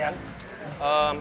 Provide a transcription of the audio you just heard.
jadi kita bisa minum sampah beling